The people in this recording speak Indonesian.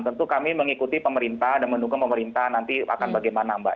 tentu kami mengikuti pemerintah dan mendukung pemerintah nanti akan bagaimana mbak